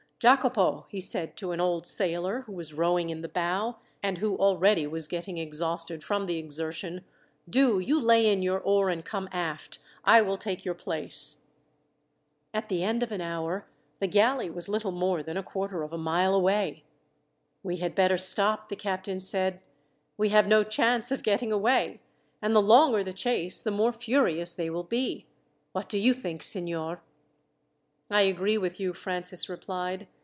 "Jacopo," he said to an old sailor who was rowing in the bow, and who already was getting exhausted from the exertion, "do you lay in your oar and come aft. I will take your place." At the end of an hour the galley was little more than a quarter of a mile away. "We had better stop," the captain said. "We have no chance of getting away, and the longer the chase the more furious they will be. What do you think, signor?" "I agree with you," Francis replied.